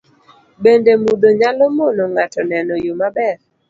Bende, mudho nyalo mono ng'ato neno yo maber